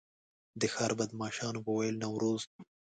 د ښار بدمعاشانو به ویل نوروز.